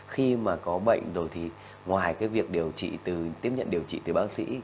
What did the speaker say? khi mà có bệnh rồi thì ngoài cái việc điều trị từ tiếp nhận điều trị từ bác sĩ